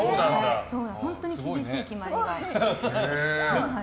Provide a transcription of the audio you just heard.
本当に厳しい決まりがあって。